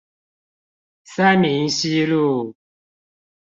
三民西路